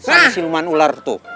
sama siluman ular tuh